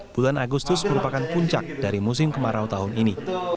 bulan agustus merupakan puncak dari musim kemarau tahun ini